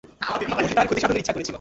ওরা তার ক্ষতি সাধনের ইচ্ছা করেছিল।